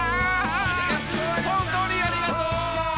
本当にありがとう！